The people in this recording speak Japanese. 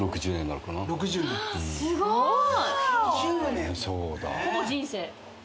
すごい！